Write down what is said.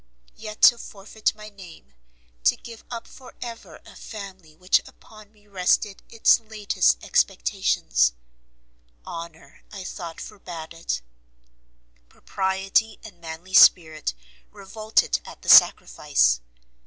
Yet to forfeit my name, to give up for ever a family which upon me rested its latest expectations, Honour, I thought forbad it, propriety and manly spirit revolted at the sacrifice.